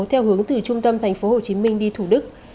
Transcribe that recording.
theo hướng từ trung tâm tp hcm đi thủ đức